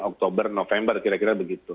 oktober november kira kira begitu